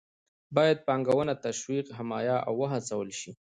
باید پانګونه تشویق، حمایه او وهڅول شي.